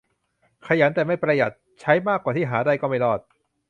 ขยันแต่ไม่ประหยัด ใช้มากกว่าที่หาได้ ก็ไม่รอด